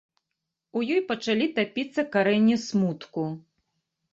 У ёй пачалі тапіцца карэнні смутку.